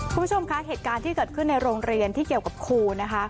คุณผู้ชมคะเหตุการณ์ที่เกิดขึ้นในโรงเรียนที่เกี่ยวกับครูนะคะ